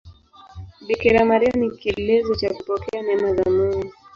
Bikira Maria ni kielelezo cha kupokea neema za Mungu.